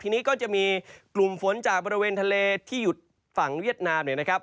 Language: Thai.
ทีนี้ก็จะมีกลุ่มฝนจากบริเวณทะเลที่หยุดฝั่งเวียดนามเนี่ยนะครับ